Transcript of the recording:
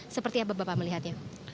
seperti apa bapak melihatnya